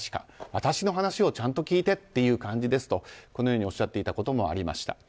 私の話をちゃんと聞いてっていう感じですと、このようにおっしゃっていたこともありました。